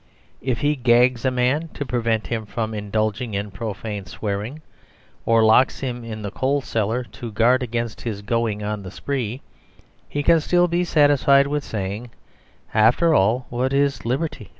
If he gags a man to prevent him from indulging in profane swearing, or locks him in the coal cellar to guard against his going on the spree, he can still be satisfied with saying, "After all, what is liberty?